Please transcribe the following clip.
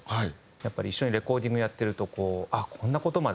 やっぱり一緒にレコーディングやってると。